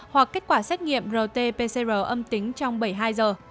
hoặc kết quả xét nghiệm rt pcr âm tính trong bảy mươi hai giờ